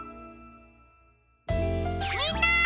みんな！